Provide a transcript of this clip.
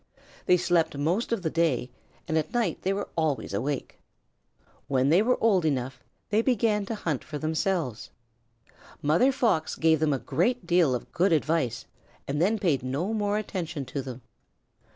They slept most of the day, and at night they were always awake. When they were old enough, they began to hunt for themselves. Mother Fox gave them a great deal of good advice and then paid no more attention to them.